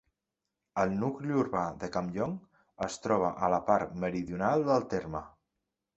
El nucli urbà de Campllong es troba a la part meridional del terme.